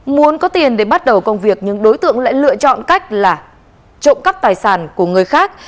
muốn có tiền để bắt đầu công việc nhưng đối tượng lại lựa chọn cách là trộm cắp tài sản của người khác